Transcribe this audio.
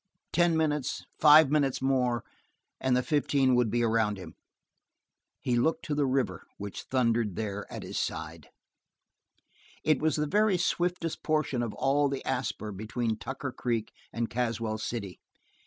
Ten minutes, five minutes more and the fifteen would be around him. He looked to the river which thundered there at his side. It was the very swiftest portion of all the Asper between Tucker Creek and Caswell City.